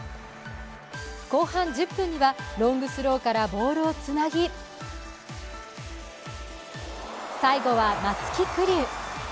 後半１０分には、ロングスローからボールをつなぎ、最後は松木玖生。